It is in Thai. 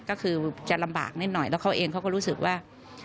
ก็คือจะลำบากนิดหน่อยแล้วเขาเองเขาก็รู้สึกว่า